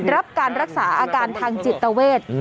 รับการรักษาอาการทางจิตเวท